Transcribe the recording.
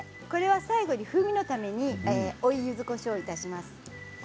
最後は風味のために追いゆずこしょうをします。